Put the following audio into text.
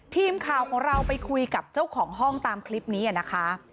ทีมข่าวของเราไปคุยกับเจ้าของห้องตามคลิปนี้นะคะ